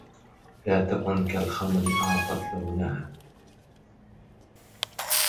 لا تكن كالخمر أعطت لونها